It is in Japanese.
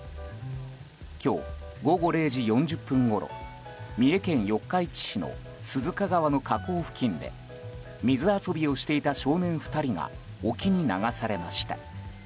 今日午後０時４０分ごろ三重県四日市市の鈴鹿川の河口付近で水遊びをしていた少年２人が沖に流されました。